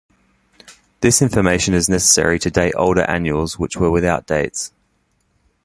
This information is necessary to date older annuals which were without dates.